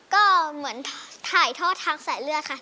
ก็เหมือนถ่ายโทษทักใส่เลือดค่ะ